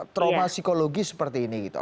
trauma psikologis seperti ini gitu